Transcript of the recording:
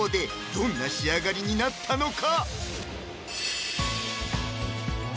どんな仕上がりになったのか？